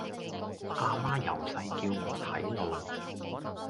啊媽由細叫我睇路